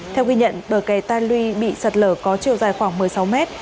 theo ghi nhận bờ kè tan luy bị sạt lở có chiều dài khoảng một mươi sáu mét